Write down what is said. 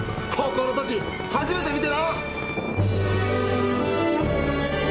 高校の時初めて見てな。